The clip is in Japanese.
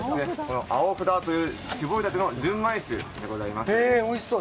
青札というしぼりたて純米酒でございます。